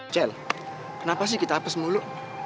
ciel kenapa sih kita apes mulu